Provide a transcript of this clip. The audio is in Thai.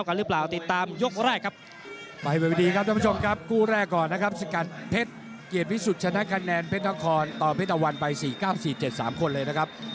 ครับกู้แรกก่อนนะครับสกัดเพชรเกียรติวิสุทธิ์ชนะคะแนนเพชรนครต่อเพชรตะวันไป๔๙๔๗๓คนเลยนะครับ